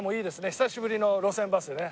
久しぶりの『路線バス』でね。